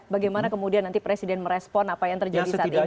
bagaimana kemudian nanti presiden merespon apa yang terjadi saat ini